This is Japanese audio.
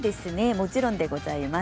もちろんでございます。